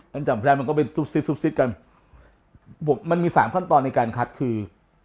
มันจำแทนก็เป็นซุปซิดกันมันมี๓ขั้นตอนในการคัดคือ